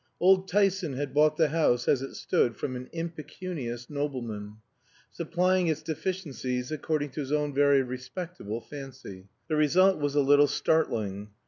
Old Tyson had bought the house as it stood from an impecunious nobleman, supplying its deficiencies according to his own very respectable fancy. The result was a little startling.